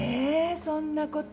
そんなこと。